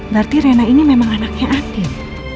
berarti rena ini memang anaknya aktif